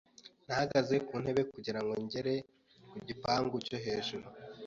Nahagaze ku ntebe kugira ngo ngere ku gipangu cyo hejuru.